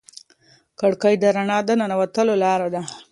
کړکۍ د رڼا د ننوتلو لار ده.